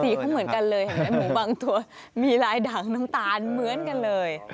เขาเหมือนกันเลยเห็นไหมหมูบางตัวมีลายด่างน้ำตาลเหมือนกันเลย